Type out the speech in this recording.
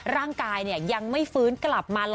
ร่างกายยังไม่ฟื้นกลับมา